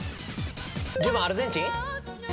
１０番アルゼンチン？